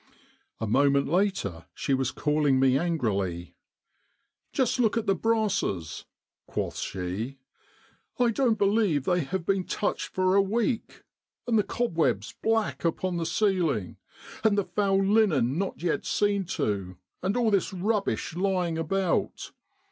A moment later she was calling me angrily. ' Just look at the brasses !' quoth she. ' I don't believe they have been touched for a week. And the cobwebs black upon the ceiling ! And the foul linen not yet seen to ! And all this rubbish lying about